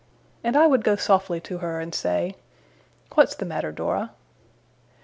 and I would go softly to her, and say: 'What's the matter, Dora?